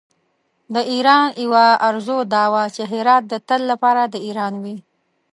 د ایران یوه آرزو دا وه چې هرات د تل لپاره د ایران وي.